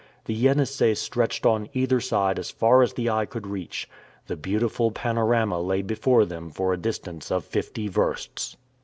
The Yenisei stretched on either side as far as the eye could reach. The beautiful panorama lay before them for a distance of fifty versts.